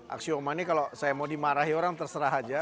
aksioma ini kalau saya mau dimarahi orang terserah saja